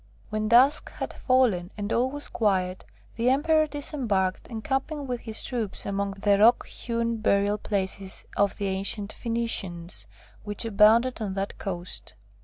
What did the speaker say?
When dusk had fallen, and all was quiet, the Emperor disembarked, encamping with his troops among the rock hewn burial places of the ancient Phoenicians, which abounded on that coast.